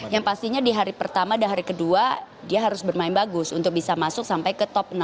yang pastinya di hari pertama dan hari kedua dia harus bermain bagus untuk bisa masuk sampai ke top enam